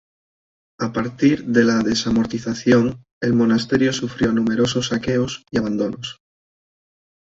A partir de la desamortización el monasterio sufrió numerosos saqueos y abandonos.